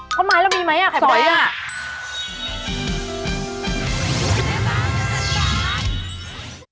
ข้าวไม้เรามีไหมอ่ะไข่มดแดงไข่มดแดง